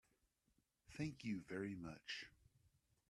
Thank you very much.